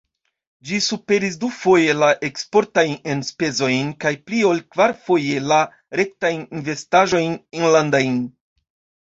Ĝi superis dufoje la eksportajn enspezojn kaj pli ol kvarfoje la rektajn investaĵojn enlandajn.